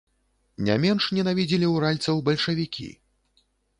Не менш ненавідзелі ўральцаў бальшавікі.